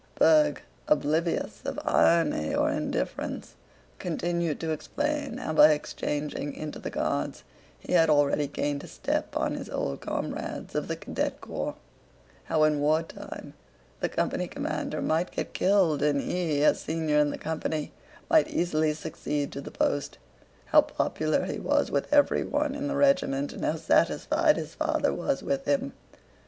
Berg, oblivious of irony or indifference, continued to explain how by exchanging into the Guards he had already gained a step on his old comrades of the Cadet Corps; how in wartime the company commander might get killed and he, as senior in the company, might easily succeed to the post; how popular he was with everyone in the regiment, and how satisfied his father was with him.